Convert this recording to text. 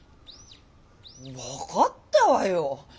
分かったわよ。